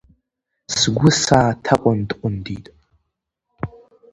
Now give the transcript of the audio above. Сгәы сааҭаҟәынд-ҟәындит.